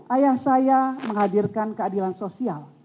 ayah saya menghadirkan keadilan sosial